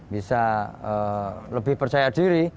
bisa lebih percaya diri